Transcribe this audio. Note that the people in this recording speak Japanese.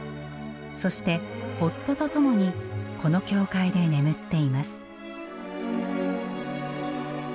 そして夫と共にこの教会で眠っています。